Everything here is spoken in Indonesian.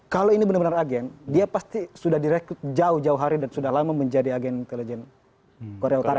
kalau ini benar benar agen dia pasti sudah direkrut jauh jauh hari dan sudah lama menjadi agen intelijen korea utara